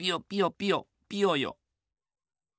ピヨピヨ。